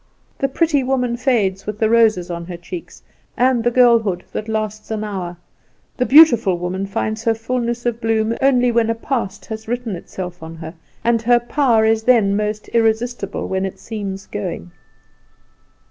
The pretty woman fades with the roses on her cheeks, and the girlhood that lasts an hour; the beautiful woman finds her fullness of bloom only when a past has written itself on her, and her power is then most irresistible when it seems going.